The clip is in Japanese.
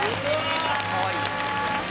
かわいい。